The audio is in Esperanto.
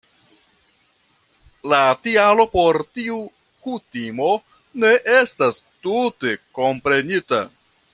La tialo por tiu kutimo ne estas tute komprenita.